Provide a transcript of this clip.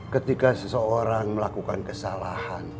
ketika seseorang melakukan kesalahan